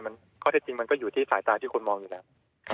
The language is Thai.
ข้อเท็จจริงมันก็อยู่ที่สายตาที่คนมองอยู่แล้ว